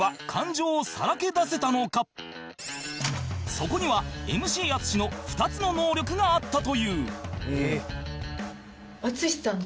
そこには ＭＣ 淳の２つの能力があったという